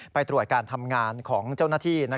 ไปตรวจการทำงานของเจ้าหน้าที่